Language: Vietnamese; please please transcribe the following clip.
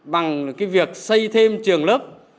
bằng cái việc xây thêm trường lớp